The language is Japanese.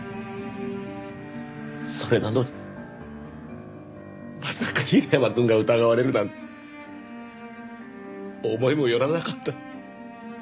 それなのにまさか平山くんが疑われるなんて思いもよらなかった。